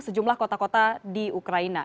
sejumlah kota kota di ukraina